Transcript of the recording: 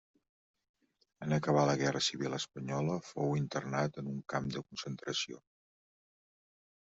En acabar la guerra civil espanyola fou internat en un camp de concentració.